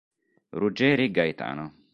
Ruggeri Gaetano.